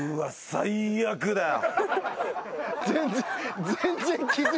最悪だよ。